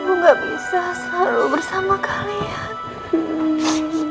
aku gak bisa selalu bersama kalian